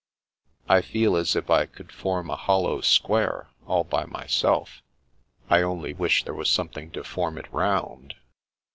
" I feel as if I could form a hollow square, all by myself/' " I only wish there were something to form it round."